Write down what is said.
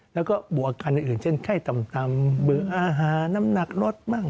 แล้วก็บวกอาการอื่นเช่นไข้ตำเบลอาหาร้ำหนักลดบ้าง